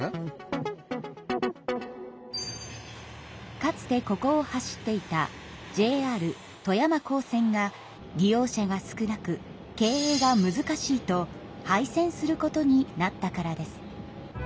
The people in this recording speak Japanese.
かつてここを走っていたＪＲ富山港線が利用者が少なく経営がむずかしいと廃線することになったからです。